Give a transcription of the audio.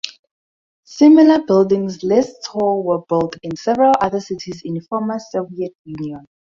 Similar buildings less tall were built in several other cities in former Soviet Union.